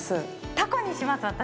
タコにします私。